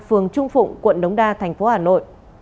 phường trung phụng quận đống đa thành phố hà nội